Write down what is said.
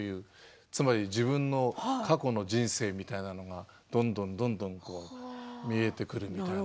つまり自分の過去の人生みたいなものがどんどんどんどん見えてくるみたいな。